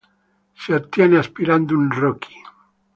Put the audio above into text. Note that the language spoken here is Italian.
Si ottiene aspirando un Rocky.